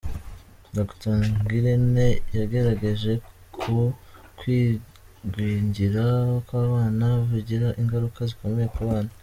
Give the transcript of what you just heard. Dr Ngirente yagaragaje ko kugwingira kw’abana bigira ingaruka zikomeye ku bana.